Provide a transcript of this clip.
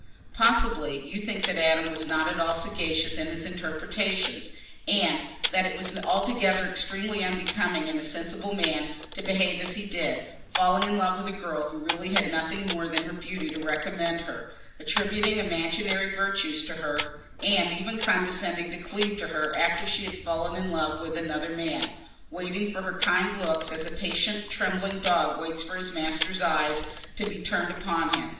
Possibly you think that Adam was not at all sagacious in his interpretations, and that it was altogether extremely unbecoming in a sensible man to behave as he did—falling in love with a girl who really had nothing more than her beauty to recommend her, attributing imaginary virtues to her, and even condescending to cleave to her after she had fallen in love with another man, waiting for her kind looks as a patient trembling dog waits for his master's eye to be turned upon him.